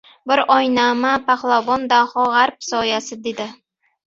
Bir oynoma Pahlavon Daho G‘arb soyasi, dedi.